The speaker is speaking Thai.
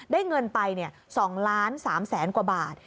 ได้เงินไป๒ล้าน๓แสนกว่าบาท